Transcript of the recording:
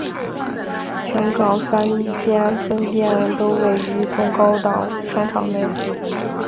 全港三间分店都位于中高档商场内。